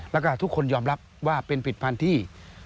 แล้วก็ทุกคนยอมรับว่าเป็นผิดพันธุ์ที่